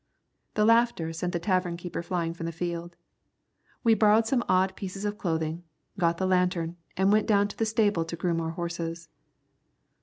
The laughter sent the tavern keeper flying from the field. We borrowed some odd pieces of clothing, got the lantern, and went down to the stable to groom our horses.